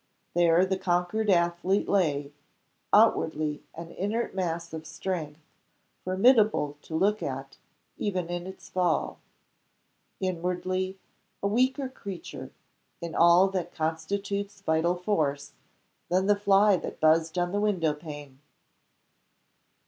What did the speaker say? There the conquered athlete lay: outwardly an inert mass of strength, formidable to look at, even in its fall; inwardly, a weaker creature, in all that constitutes vital force, than the fly that buzzed on the window pane.